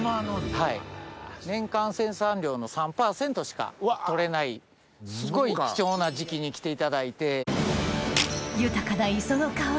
年間生産量の３％しか取れないすごい貴重な時期に来ていただいて。